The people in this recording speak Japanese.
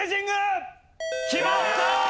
決まった！